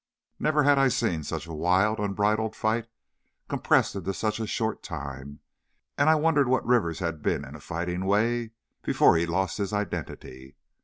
Never had I seen such a wild, unbridled fight compressed into such a short time, and I wondered what Rivers had been in a fighting way before he lost his identity.